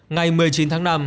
ngày một mươi chín tháng năm